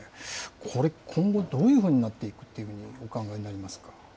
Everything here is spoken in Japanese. これ、今後、どういうふうになっていくというふうにお考えになりますか。